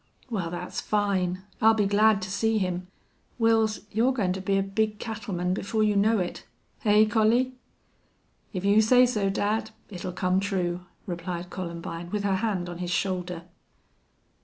"Wal, that's fine. I'll be glad to see him.... Wils, you're goin' to be a big cattleman before you know it. Hey, Collie?" "If you say so, dad, it'll come true," replied Columbine, with her hand on his shoulder.